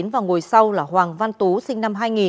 và ngồi sau là hoàng văn tú sinh năm hai nghìn